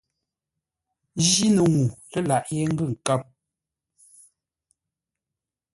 Jíno ŋuu lə́ laghʼ yé ngʉ nkə̌m.